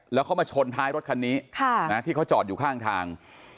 แล้วเขามาชนท้ายรถคันนี้ที่เขาจอดอยู่ข้างทาง